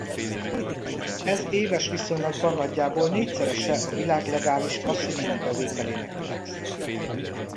Ez éves viszonylatban nagyjából négyszerese a világ legális kaszinói bevételének világszerte.